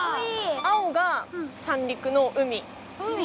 青が三陸の海。